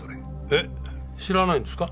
えっ知らないんですか？